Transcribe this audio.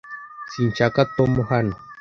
sinshaka tom hano